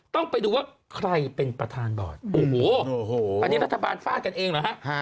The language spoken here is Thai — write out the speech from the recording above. ต้องไปดูว่าใครเป็นประธานบอร์ดโอ้โหอันนี้รัฐบาลฟาดกันเองเหรอฮะ